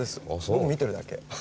僕見てるだけ。